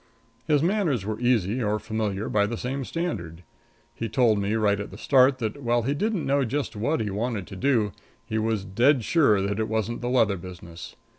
His manners were easy or familiar by the same standard. He told me right at the start that, while he didn't know just what he wanted to do, he was dead sure that it wasn't the leather business.